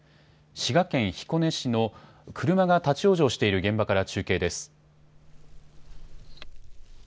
滋賀県彦根市の車が立往生している現場から中継です。